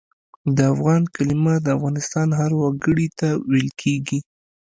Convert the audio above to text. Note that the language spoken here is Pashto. د افغان کلمه د افغانستان هر وګړي ته ویل کېږي.